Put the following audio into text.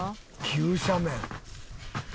急斜面。